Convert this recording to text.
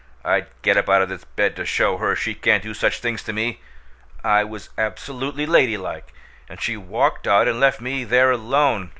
"I'd get up out of this bed to show her she can't do such things to me! I was absolutely ladylike, and she walked out and left me there alone!